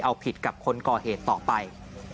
เอาผิดกับคนก่อเหตุต่อไป